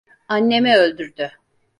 Annemi öldürdü.